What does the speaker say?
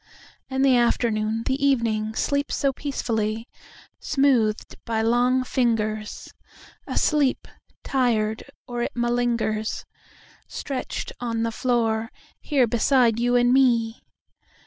……..And the afternoon, the evening, sleeps so peacefully! Smoothed by long fingers, Asleep … tired … or it malingers, Stretched on the floor, here beside you and me.